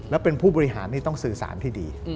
แล้วเป็นผู้บริหารนี่ต้องสื่อสารที่ดี